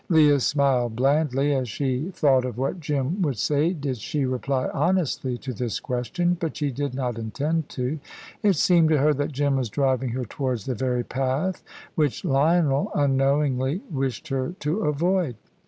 Leah smiled blandly, as she thought of what Jim would say did she reply honestly to this question. But she did not intend to. It seemed to her that Jim was driving her towards the very path which Lionel, unknowingly, wished her to avoid.